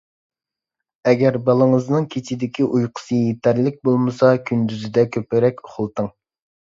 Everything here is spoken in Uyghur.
ئەگەر بالىڭىزنىڭ كېچىدىكى ئۇيقۇسى يېتەرلىك بولمىسا، كۈندۈزدە كۆپرەك ئۇخلىتىڭ.